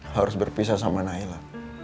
harus berpisah sama naila